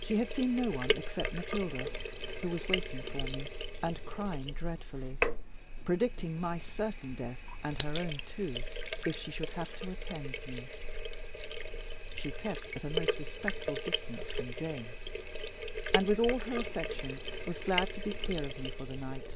She had seen no one except Matilda, who was waiting for me, and crying dreadfully, predicting my certain death, and her own too; if she should have to attend me. She kept at a most respectful distance from Jane; and, with all her affection, was glad to be clear of me for the night.